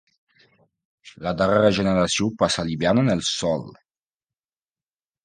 La darrera generació passa l'hivern en el sòl.